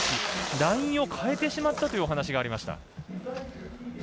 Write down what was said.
ラインを変えてしまったというお話がありました。